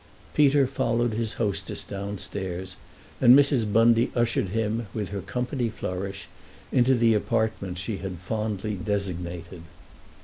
Peter followed his hostess downstairs, and Mrs. Bundy ushered him, with her company flourish, into the apartment she had fondly designated.